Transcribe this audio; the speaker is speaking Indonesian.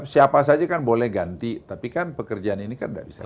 siapa saja kan boleh ganti tapi kan pekerjaan ini kan tidak bisa